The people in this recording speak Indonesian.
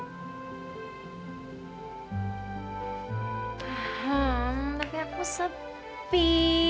paham tapi aku sepi